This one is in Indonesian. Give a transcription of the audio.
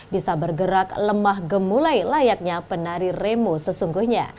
bisa bergerak lemah gemulai layaknya penari remo sesungguhnya